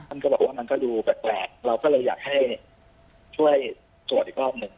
ก็บอกว่ามันก็ดูแปลกเราก็เลยอยากให้ช่วยตรวจอีกรอบหนึ่ง